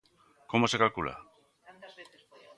¿Como se calcula?